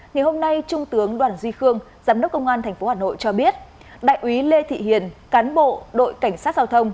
ngày hôm nay trung tướng đoàn duy khương giám đốc công an tp hà nội cho biết đại úy lê thị hiền cán bộ đội cảnh sát giao thông